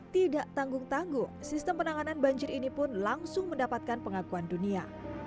tidak tanggung tanggung sistem penanganan banjir ini pun langsung mendapatkan pengakuan dunia